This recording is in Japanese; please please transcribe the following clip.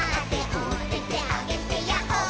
「おててあげてヤッホー」